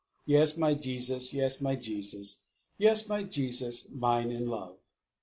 Yes, my Jesus, Yes, my Jesus. Yes, my Jesus. Mine in love."